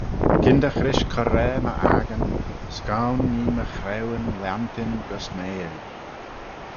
Kyndagh rish coraa my accan: scoan nee my chraueyn lhiantyn gys m'eill.